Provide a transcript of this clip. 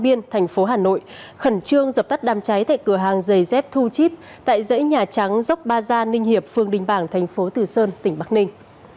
biên thành phố hà nội khẩn trương dập tắt đám cháy tại cửa hàng giày dép thu chip tại dãy nhà trắng dốc ba gia ninh hiệp phường đình bảng thành phố từ sơn tỉnh bắc ninh